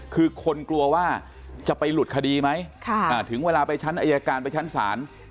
คือคนกลัวว่าจะไปหลุดคดีไหมถึงเวลาไปชั้นอายการไปชั้นศาล